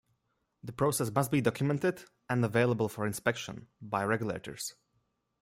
The process must be documented and available for inspection by regulators.